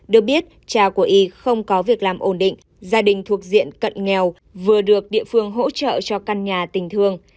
được biết cha của y không có việc làm ổn định gia đình thuộc diện cận nghèo vừa được địa phương hỗ trợ cho căn nhà tình thương